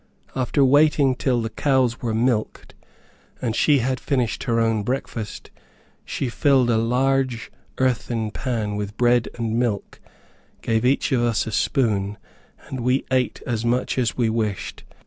After waiting till the cows were milked, and she had finished her own breakfast, she filled a large earthen pan with bread and milk, gave each of us a spoon, and we ate as much as we wished.